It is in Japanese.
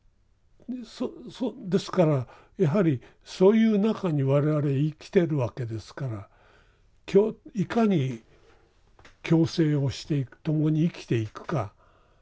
ですからやはりそういう中に我々生きてるわけですからいかに共生をしていく共に生きていくか。